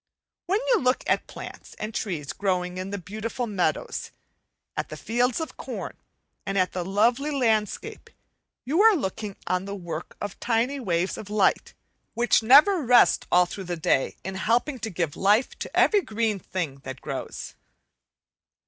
When you look at plants and trees growing in the beautiful meadows; at the fields of corn, and at the lovely landscape, you are looking on the work of the tiny waves of light, which never rest all through the day in helping to give life to every green thing that grows.